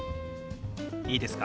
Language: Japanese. いいですか？